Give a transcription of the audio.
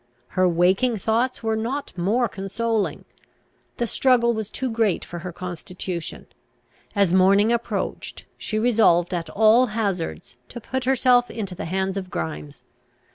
Her waking thoughts were not more consoling. The struggle was too great for her constitution. As morning approached, she resolved, at all hazards, to put herself into the hands of Grimes.